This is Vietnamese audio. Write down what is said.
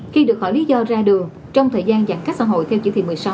khi được hỏi lý do ra đường trong thời gian giãn cách xã hội theo chỉ thị một mươi sáu